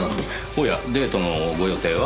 おやデートのご予定は？